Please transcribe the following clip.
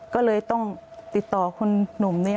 ก็เลยต้องติดต่อคุณหนุ่มนี้